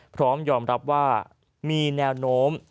พร้อมยอมรับว่ามีแนวโน้ม